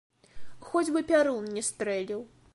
Хоць бы пярун не стрэліў!